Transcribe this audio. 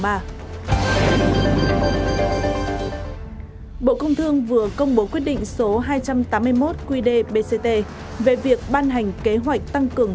bộ công thương vừa công bố quyết định số hai trăm tám mươi một qdbct về việc ban hành kế hoạch tăng cường